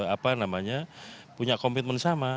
apa namanya punya komitmen sama